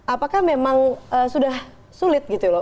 apakah memang sudah sulit gitu loh